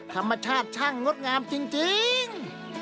ธรรมชาติช่างงดงามจริง